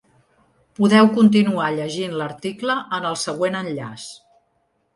Podeu continuar llegint l’article en el següent enllaç.